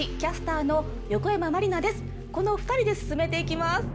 この２人で進めていきます。